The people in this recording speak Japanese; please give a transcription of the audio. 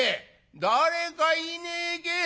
誰かいねえけえ？」。